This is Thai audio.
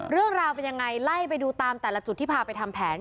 เรื่องราวเป็นยังไงไล่ไปดูตามแต่ละจุดที่พาไปทำแผน